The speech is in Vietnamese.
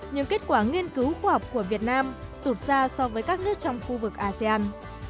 nhưng kết quả nghiên cứu khoa học của việt nam tụt ra so với các nước trong khu vực asean